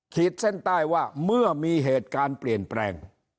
ขีดเส้นใต้ว่าเมื่อมีเหตุการณ์เปลี่ยนแปลง